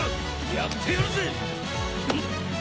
やってやるぜ！